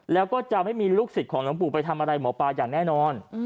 แล้วก็จะไม่มีลูกศิษย์ของหลวงปู่ไปทำอะไรหมอปลาอย่างแน่นอน